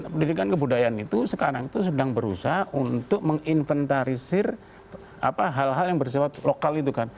pendidikan kebudayaan itu sekarang itu sedang berusaha untuk menginventarisir hal hal yang bersifat lokal itu kan